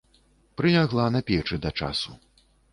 Прылягла на печы да часу.